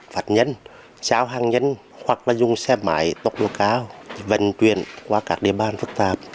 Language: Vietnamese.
phát nhân xáo hàng nhân hoặc lợi dụng xe máy tốc độ cao vận chuyển qua các địa bàn phức tạp